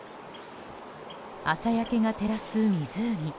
朝焼けが照らす湖。